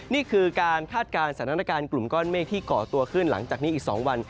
นี่คือการคาดการณ์สถานการณ์กลุ่มก้อนเมฆที่ก่อตัวขึ้นหลังจากนี้อีก๒วัน